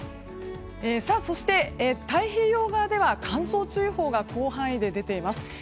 そして太平洋側では乾燥注意報が広範囲で出ています。